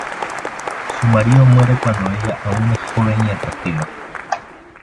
Su marido muere cuando ella aún es joven y atractiva.